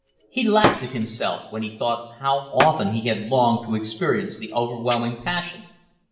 He laughed at himself when he thought how often he had longed to experience the overwhelming passion.